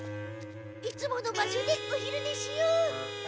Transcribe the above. いつもの場所でおひるねしよう！